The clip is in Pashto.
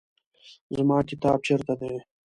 زما کتاب چیرته دی؟